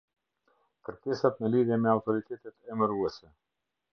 Kërkesat në lidhje me autoritetet emëruese.